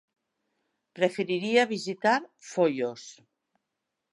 Preferiria visitar Foios.